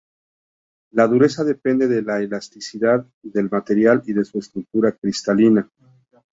La dureza depende de la elasticidad del material y de su estructura cristalina.